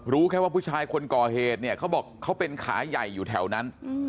รู้แค่ว่าผู้ชายคนก่อเหตุเนี่ยเขาบอกเขาเป็นขาใหญ่อยู่แถวนั้น